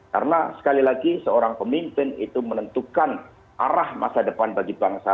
karena sekali lagi seorang pemimpin itu menentukan arah masa depan bagi bangsa